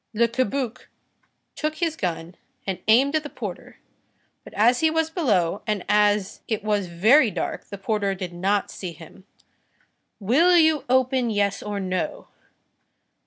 Le Cabuc took his gun and aimed at the porter; but as he was below, and as it was very dark, the porter did not see him. "Will you open, yes or no?"